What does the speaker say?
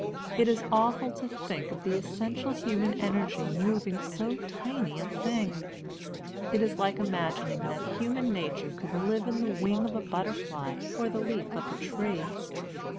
It is awful to think of the essential human energy moving so tiny a thing ; it is like imagining that human na ture could live in the wing of a butterfly or the leaf of a tree.